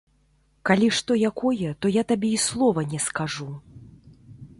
Калі што якое, то я табе і слова не скажу.